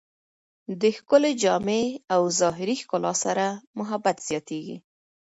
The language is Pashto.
د ښکلې جامې او ظاهري ښکلا سره محبت زیاتېږي.